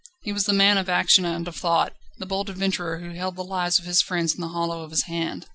He was the man of action and of thought, the bold adventurer who held the lives of his friends in the hollow of his hand.